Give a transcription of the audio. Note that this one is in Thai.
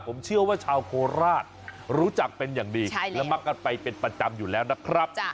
ผมเชื่อว่าชาวโคราชรู้จักเป็นอย่างดีและมักกันไปเป็นประจำอยู่แล้วนะครับ